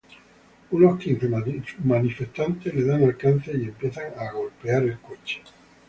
Unos quince manifestantes le dan alcance y empiezan a golpear el coche.